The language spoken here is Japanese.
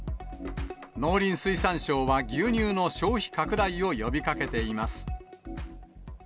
農林水産省は牛乳の消費拡大を呼びかけています。